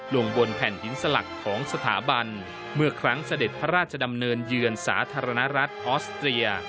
ลงบนแผ่นดินสลักของสถาบันเมื่อครั้งเสด็จพระราชดำเนินเยือนสาธารณรัฐออสเตรีย